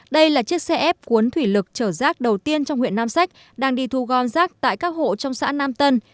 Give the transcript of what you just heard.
đây là chiếc xe ép cuốn thủy lực chở rác đầu tiên trong huyện nam sách đang đi thu gom rác tại các hộ trong xã nam tân